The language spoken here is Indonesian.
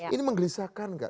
ini menggelisahkan enggak